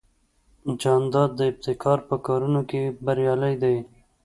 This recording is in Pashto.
جانداد د ابتکار په کارونو کې بریالی دی.